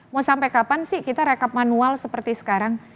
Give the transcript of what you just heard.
mau sampai kapan sih kita rekap manual seperti sekarang